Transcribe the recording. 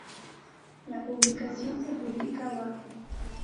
La publicación se publica bajo